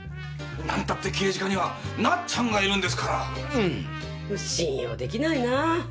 なんたって刑事課にはなっちゃんがいるんですからうん信用できないなぁ